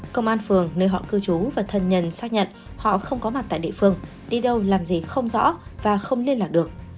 công an phường nơi họ cư trú và thân nhân xác nhận họ không có mặt tại địa phương đi đâu làm gì không rõ và không liên lạc được